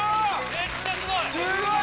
めっちゃすごい！